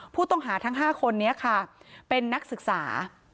ผู้ต้องหาทั้ง๕คนนี้ค่ะเป็นนักศึกษา